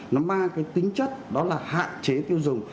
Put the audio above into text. nó mang cái tính chất đó là hạn chế tiêu dùng